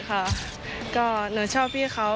ก็หนูชอบพี่เขา